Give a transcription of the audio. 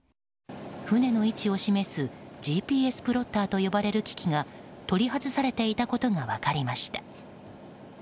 船の位置を示すＧＰＳプロッターと呼ばれる機器が取り外されていたことが分かりました。